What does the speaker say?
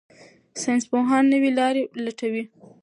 ساينسپوهان نوې لارې لټوي.